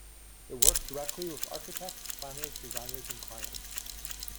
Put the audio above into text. It worked directly with architects, planners, designers and clients.